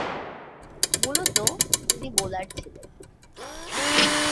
মূলতঃ তিনি বোলার ছিলেন।